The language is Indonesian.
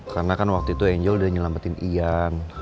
karena kan waktu itu angel udah nyelametin ian